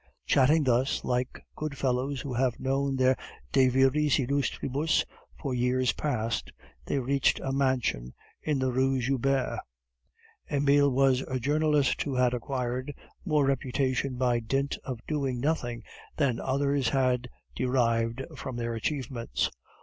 Chatting thus, like good fellows who have known their De Viris illustribus for years past, they reached a mansion in the Rue Joubert. Emile was a journalist who had acquired more reputation by dint of doing nothing than others had derived from their achievements.